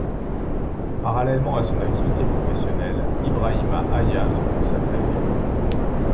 Parallèlement à son activité professionnelle, Ibrahima Aya se consacre à l’écriture.